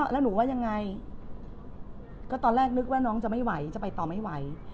แล้วหนูว่ายังไงก็ตอนแรกนึกว่าน้องจะไม่ไหวจะไปต่อไม่ไหว